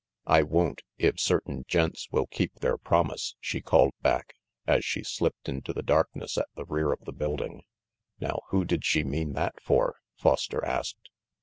"I won't, if certain gents will keep their promise," she called back, as she slipped into the darkness at the rear of the building. "Now who did she mean that for?" Foster asked.